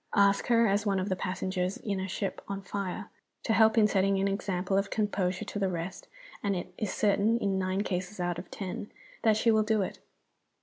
Ask her, as one of the passengers in a ship on fire, to help in setting an example of composure to the rest, and it is certain, in nine cases out of ten, that she will do it.